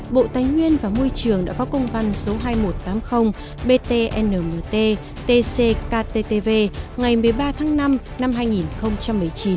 bộ tài nguyên và môi trường đã có công văn số hai nghìn một trăm tám mươi btnmt tctv ngày một mươi ba tháng năm năm hai nghìn một mươi chín